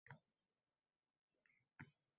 televideniyechilar uchun negadir o‘ta cho‘zildi.